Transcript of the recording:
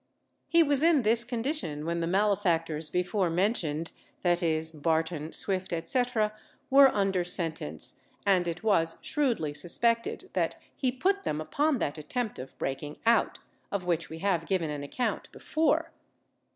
He was in this condition when the malefactors before mentioned, viz., Barton, Swift, etc., were under sentence, and it was shrewdly suspected that he put them upon that attempt of breaking out, of which we have given an account before.